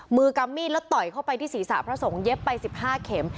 มือกำมีดแล้วต่อยเข้าไปที่ศรีษะพระสงฆ์เย็บไปสิบห้าเข็ม